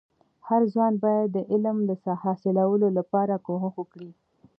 هرځوان باید د علم د حاصلولو لپاره کوښښ وکړي.